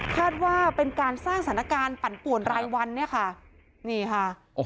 คาดว่าเป็นการสร้างสถานการณ์ปั่นป่วนรายวันเนี่ยค่ะนี่ค่ะ